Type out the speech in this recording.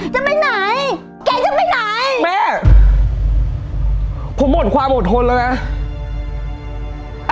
จะไปไหนแกจะไปไหนแม่ผมหมดความอดทนแล้วนะ